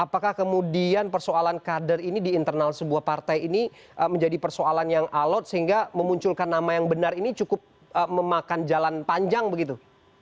apakah kemudian persoalan kader ini di internal sebuah partai ini menjadi persoalan yang alot sehingga memunculkan nama yang benar ini cukup memakan jalan panjang begitu